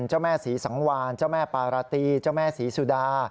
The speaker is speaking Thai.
เจ้าแม่ศรีสังวานเจ้าแม่ปาราตีเจ้าแม่ศรีสุดา